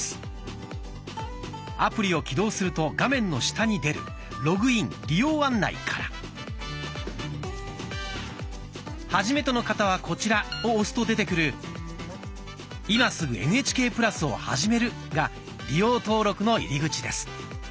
アプリを起動すると画面の下に出る「ログイン・利用案内」から「はじめての方はこちら」を押すと出てくる「今すぐＮＨＫプラスをはじめる」が利用登録の入り口です。